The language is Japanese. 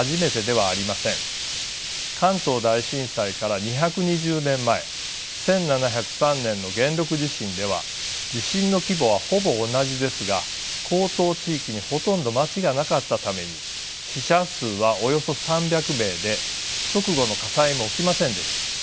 関東大震災から２２０年前１７０３年の元禄地震では地震の規模はほぼ同じですが江東地域にほとんど町がなかったために死者数はおよそ３００名で直後の火災も起きませんでした。